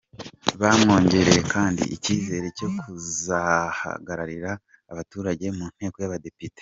Bamwongereye kandi ikizere cyo kuzahagararira abaturage mu nteko y’abadepite.